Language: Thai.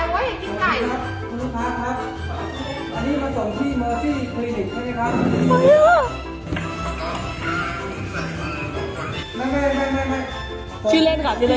แล้วของใครอะ